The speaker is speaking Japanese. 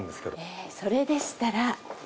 ええそれでしたら。